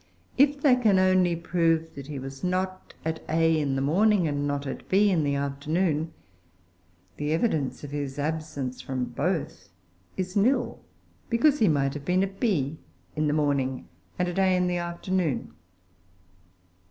If they can only prove that he was not at A in the morning, and not at B in the afternoon, the evidence of his absence from both is nil, because he might have been at B in the morning and at A in the afternoon.